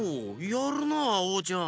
やるなオーちゃん！